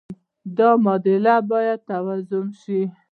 دا معادلې باید توازن شي.